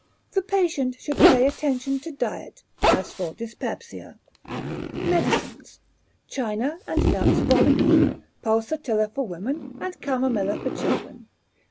The patient should pay attention to diet, as for dyspepsia. Medicines. China and Nux vomica; Pulsatilla for women, and Chamomilla for children.